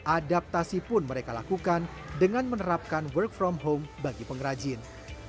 adaptasi pun mereka lakukan dengan menerapkan work from home bagi pengrajin